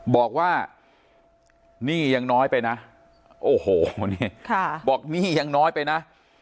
บอกว่าหนี้ยังน้อยไปนะโอ้โหนี่บอกหนี้ยังน้อยไปนะ